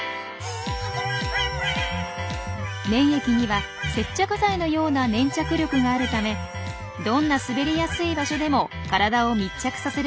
粘液には接着剤のような粘着力があるためどんな滑りやすい場所でも体を密着させることができるんです。